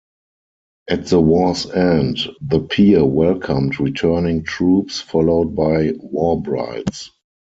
At the war's end the Pier welcomed returning troops followed by war brides.